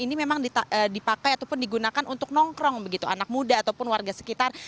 ini memang dipakai ataupun digunakan untuk nongkrong begitu anak muda ataupun warga sekitar